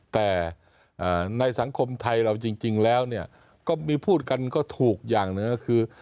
แต่ในสังคมไทยเราจริงแล้วเนี่ยก็มีพูดกันก็ถูกอย่างหนึ่งก็คือ